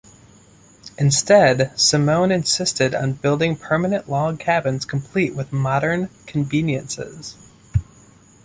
Instead, Semon insisted on building permanent log cabins complete with modern conveniences.